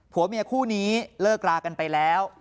ผัวเมียคู่นี้เลิกรากันไปแล้ว